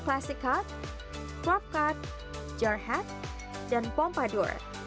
klasikat crop cut jar hat dan pompadour